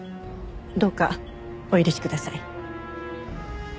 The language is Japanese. どうかお許しください。